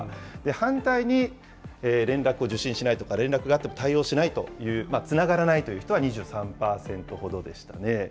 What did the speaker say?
反対に、連絡を受信しないとか、連絡があっても対応しないという、つながらないという人は２３％ほどでしたね。